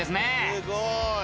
すごい！